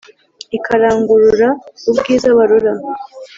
ikarangurura ubwiza barora